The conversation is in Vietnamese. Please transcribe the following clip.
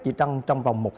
chỉ tăng trong vòng một tháng